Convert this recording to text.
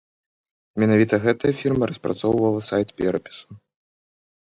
Менавіта гэтая фірма распрацоўвала сайт перапісу.